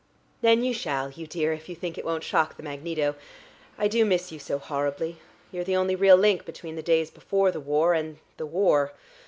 "Then you shall, you dear, if you think it won't shock the magneto. I do miss you so horribly; you're the only real link between the days before the war and the war.